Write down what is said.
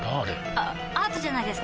あアートじゃないですか？